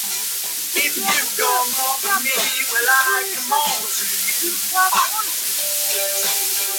The small church or chapel is poorly accessible due to private ownership.